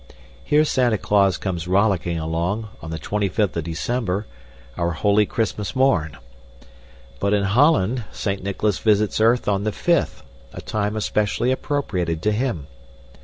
Here Santa Claus comes rollicking along, on the twenty fifth of December, our holy Christmas morn. But in Holland, Saint Nicholas visits earth on the fifth, a time especially appropriated to him.